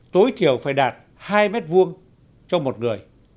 tối thiểu phải đạt hai m hai cho một người